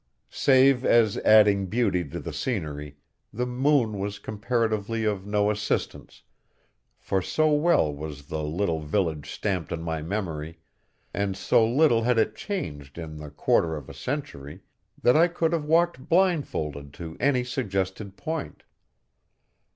Save as adding beauty to the scenery, the moon was comparatively of no assistance, for so well was the little village stamped on my memory, and so little had it changed in the quarter of a century, that I could have walked blindfolded to any suggested point.